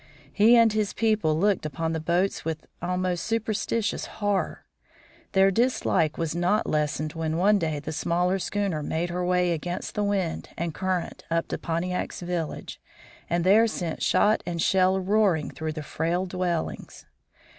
He and his people looked upon the boats with almost superstitious horror. Their dislike was not lessened when one day the smaller schooner made her way against wind and current up to Pontiac's village, and there sent shot and shell roaring through the frail dwellings.